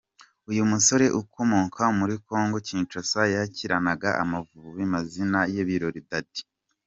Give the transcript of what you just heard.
Uyu musore ukomoka muri Congo-Kinshasa yakiniraga Amavubi ku mazina ya Birori Daddy.